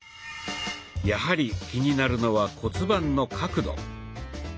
やはり気になるのは骨盤の角度。